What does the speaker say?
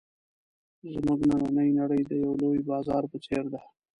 زموږ نننۍ نړۍ د یوه لوی بازار په څېر ده.